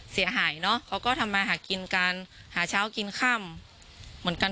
เสียหายเนอะเขาก็ทำมาหากินกันหาเช้ากินค่ำเหมือนกัน